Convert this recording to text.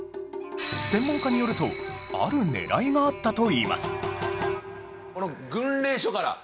専門家によるとある狙いがあったといいます